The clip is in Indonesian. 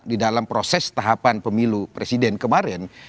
di dalam proses tahapan pemilu presiden kemarin